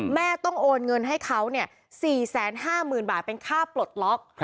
แม่ต้องโอนเงินให้เขา๔๕๐๐๐บาทเป็นค่าปลดล็อก